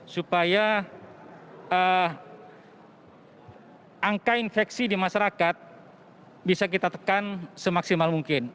supaya angka infeksi di masyarakat bisa kita tekan semaksimal mungkin